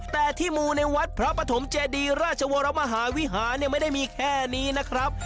แต่ที่มูในวัดพระปฐมเจดีราชวรมหาวิหารเนี่ยไม่ได้มีแค่นี้นะครับ